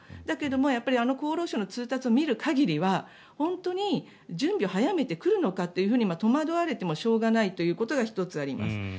だけどもあの厚労省の通達を見る限りは本当に準備を早めてくるのかと戸惑われてもしょうがないということが１つあります。